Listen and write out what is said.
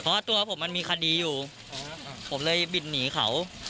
เพราะว่าตัวผมมันมีคดีอยู่ผมเลยบินหนีเขา